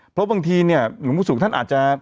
เพราะบางทีเนี่ยหลวงปู่ศุกร์ท่านอาจจะ